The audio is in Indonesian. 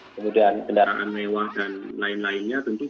kemudian kendaraan mewah dan lain lainnya tentu